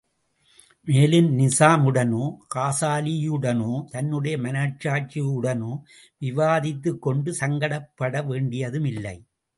மேலும், நிசாம் உடனோ, காசாலியுடனோ, தன்னுடைய மனசாட்சியுடனோ விவாதித்துக் கொண்டு சங்கடப்பட வேண்டியதும் இல்லை.